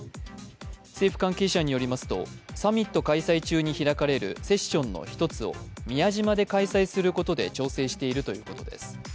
政府関係者によりますと、サミット開催中に開かれるセッションの１つを宮島で開催することで調整しているということです。